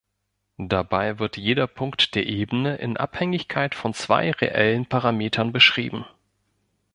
Dabei wird jeder Punkt der Ebene in Abhängigkeit von zwei reellen Parametern beschrieben.